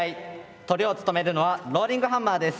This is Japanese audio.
トリを務めるのはローリングハンマーです。